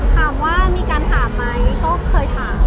ถามว่ามีการถามไหมก็เคยถาม